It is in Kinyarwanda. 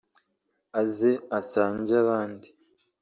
aze asange abandi